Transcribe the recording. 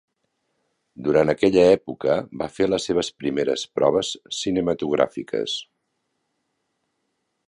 Durant aquella època va fer les seves primeres proves cinematogràfiques.